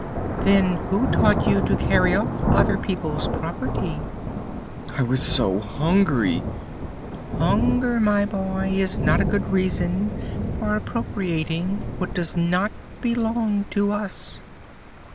"Then who taught you to carry off other people's property?" "I was so hungry." "Hunger, my boy, is not a good reason for appropriating what does not belong to us."